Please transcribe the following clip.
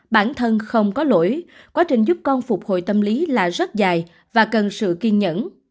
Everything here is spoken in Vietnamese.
bản thân không có lỗi quá trình giúp con phục hồi tâm lý là rất dài và cần sự kiên nhẫn